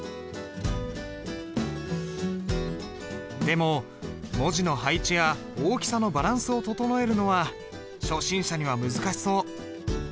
でも文字の配置や大きさのバランスを整えるのは初心者には難しそう。